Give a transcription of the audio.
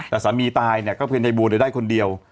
แต่สามีตายก็เป็นในบวนได้คนเดียว